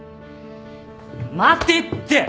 待てって！